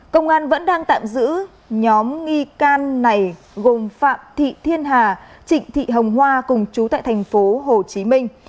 công an vẫn đang tạm giữ nhóm nghi can này gồm phạm thị thiên hà trịnh thị hồng hoa cùng chú tại thành phố hồ chí minh